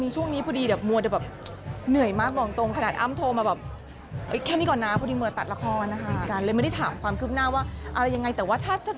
สวยไงเป็นผู้หญิงสวย